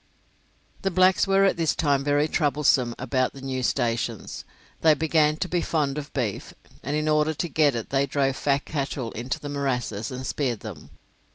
The blacks were at this time very troublesome about the new stations. They began to be fond of beef, and in order to get it they drove fat cattle into the morasses and speared them.